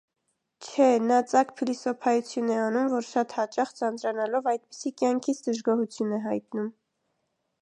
Չէ՛, նա ծակ փիլիսոփայություն է անում, որ շատ հաճախ, ձանձրանալով այդպիսի կյանքից, դժգոհություն է հայտնում: